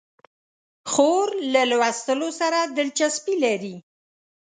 خور له لوستو سره دلچسپي لري.